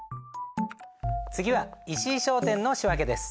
次は石井商店の仕訳です。